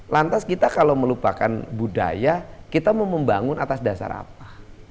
lantas kita kalau melupakan budaya kita mau membangun atas dasar apa